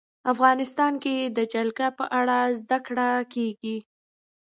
افغانستان کې د جلګه په اړه زده کړه کېږي.